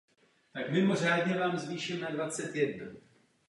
A ano, očekává se, že příští semestr tomu budeš věnovat víc času.